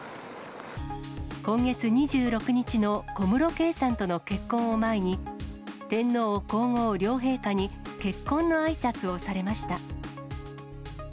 今月２６日の小室圭さんとの結婚を前に、天皇皇后両陛下に結婚のあいさつをされました。